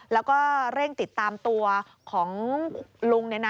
แล้วก็เร่งติดตามตัวของลุง